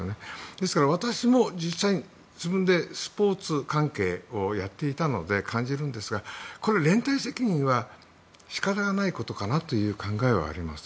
ですから、私も実際に自分でスポーツ関係をやっていたので感じるんですが、連帯責任は仕方がないことかなという考えはあります。